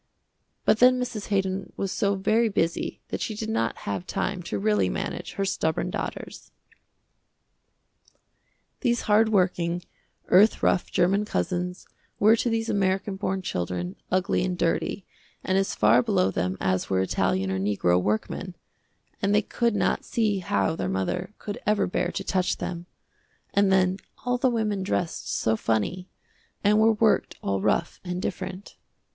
But then Mrs. Haydon was so very busy that she did not have time to really manage her stubborn daughters. These hard working, earth rough german cousins were to these american born children, ugly and dirty, and as far below them as were italian or negro workmen, and they could not see how their mother could ever bear to touch them, and then all the women dressed so funny, and were worked all rough and different.